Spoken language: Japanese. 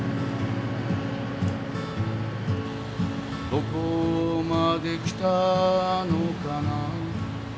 「どこまで来たのかな」